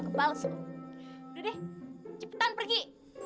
udah deh cepetan pergi